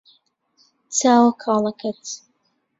چاوە کاڵەکەت